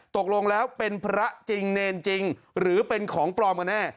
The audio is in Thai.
ตกลงแล้วเป็นพระจริงเนรจริงหรือเป็นของปลอมกันแน่